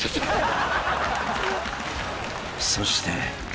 ［そして］